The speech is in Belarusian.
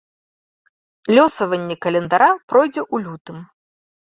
Лёсаванне календара пройдзе ў лютым.